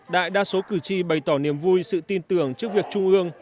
đại đa số cử tri bày tỏ niềm vui sự tin tưởng trước việc trung ương